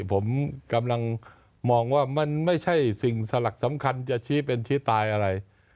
ผมกำลังมองว่ามันไม่ใช่สิ่งสลักสำคัญจะชี้เป็นชี้ตายอะไร